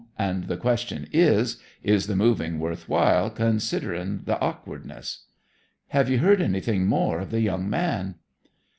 And the question is, Is the moving worth while, considering the awkwardness?' 'Have you heard anything more of the young man?'